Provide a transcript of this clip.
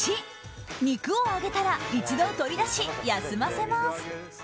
８肉を揚げたら、一度取り出し休ませます。